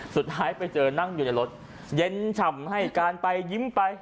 สุดท้ายไปเจอนั่งอยู่ในรถเย็นฉ่ำให้การไปยิ้มไป